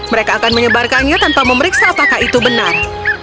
mereka akan menyebarkannya tanpa memeriksa apakah itu benar